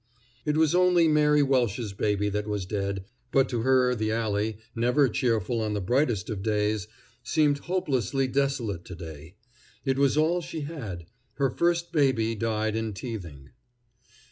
It was only Mary Welsh's baby that was dead, but to her the alley, never cheerful on the brightest of days, seemed hopelessly desolate to day. It was all she had. Her first baby died in teething.